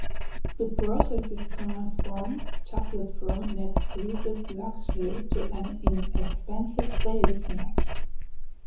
The processes transformed chocolate from an exclusive luxury to an inexpensive daily snack.